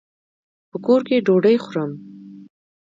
په کور کي ډوډۍ خورم.